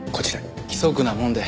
規則なもんで。